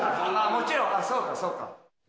もちろん、そうか、そうか。